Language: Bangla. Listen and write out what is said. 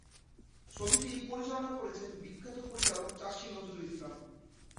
ছবিটি পরিচালনা করেছেন বিখ্যাত পরিচালক চাষী নজরুল ইসলাম।